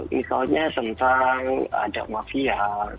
misalnya tentang ada mafia